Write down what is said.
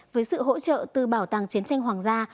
với sự hỗ trợ từ bảo tàng chiến tranh hoàng gia